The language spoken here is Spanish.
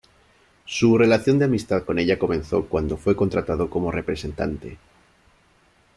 Su relación de amistad con ella comenzó cuando fue contratado como representante.